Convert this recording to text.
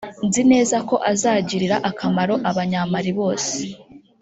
nzi neza ko azagirira akamaro abanya-Mali bose